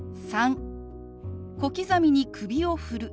３小刻みに首を振る。